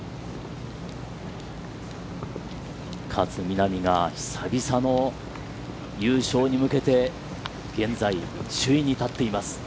勝みなみが、久々の優勝に向けて現在首位に立っています。